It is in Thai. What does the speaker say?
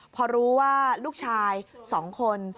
พอรู้ว่าลูกชาย๒คน